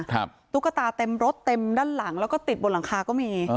ตุ๊กตาเต็มรถเต็มด้านหลังแล้วก็ติดบนหลังคาก็มี